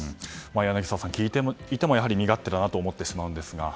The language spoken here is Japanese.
柳澤さん、聞いていても身勝手だなと思うんですが。